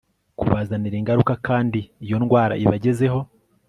kubazanira ingaruka kandi iyo indwara ibagezeho